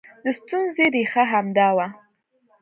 د ستونزې ریښه همدا وه